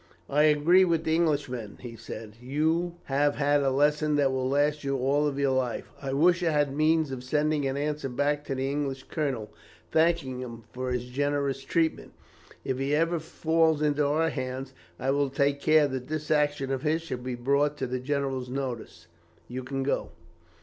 "'I agree with the Englishman,' he said. 'You have had a lesson that will last you all your life. I wish I had means of sending an answer back to this English colonel, thanking him for his generous treatment. If he ever falls into our hands, I will take care that this action of his shall be brought to the general's notice. You can go.'